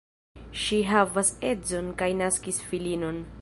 Ŝi havas edzon kaj naskis filinon.